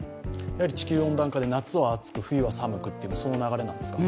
地球温暖化で夏は暑く冬は寒くという流れなんですか？